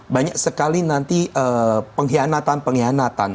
banyak sekali nanti pengkhianatan pengkhianatan